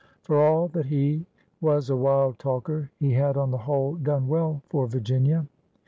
For all that he was a wild talker, he had oa the whole done well for Virginia.